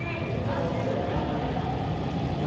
芸人になりますんで。